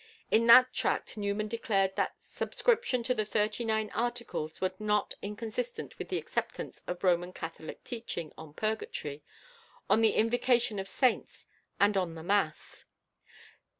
In that Tract Newman declared that subscription to the Thirty nine Articles was not inconsistent with the acceptance of Roman Catholic teaching on purgatory, on the invocation of saints, and on the mass.